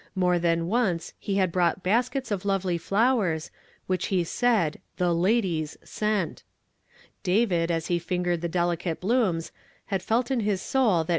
Mom tlijiii once ho hud hronght l)ii,sk»>(.s of h)vely lloweiu, which lie said ''the ladies" sent. David, as ho lin gered the delicate hloonis, had felt in his soul that